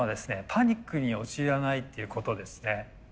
パニックに陥らないっていうことですね。